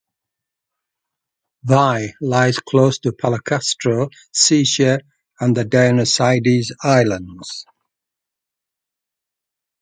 Vai lies close to Palekastro, Sitia and the Dionysades islands.